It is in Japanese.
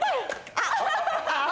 あっ。